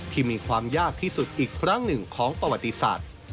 มีความยากที่สุดอีกครั้งหนึ่งของประวัติศาสตร์